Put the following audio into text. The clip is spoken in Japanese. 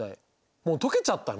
もう解けちゃったね。